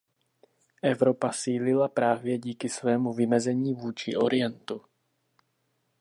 Evropa sílila právě díky svému vymezení vůči Orientu.